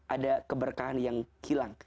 ada keberkahan yang hilang